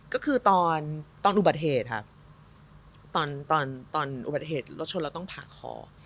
ก็คือตอนอุบัติเหตุค่ะตอนอุบัติเหตุรถชนเราต้องผ่าคอ